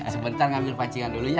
sebentar ngambil pancingan dulu ya